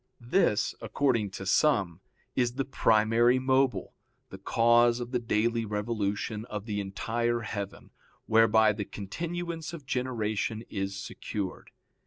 This, according to some, is the primary mobile, the cause of the daily revolution of the entire heaven, whereby the continuance of generation is secured.